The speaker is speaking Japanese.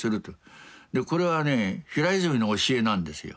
これはね平泉の教えなんですよ。